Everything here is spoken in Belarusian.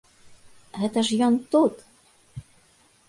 Гэта ж ён тут!